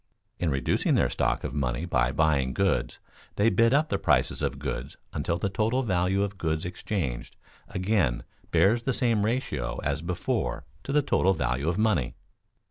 In reducing their stock of money by buying goods they bid up the prices of goods until the total value of goods exchanged again bears the same ratio as before to the total value of money.